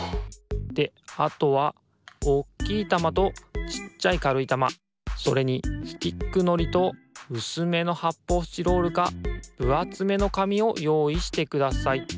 であとはおっきいたまとちっちゃいかるいたまそれにスティックのりとうすめのはっぽうスチロールかぶあつめのかみをよういしてください。